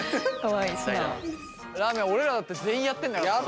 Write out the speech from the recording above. らーめん俺らだって全員やってんだからさ。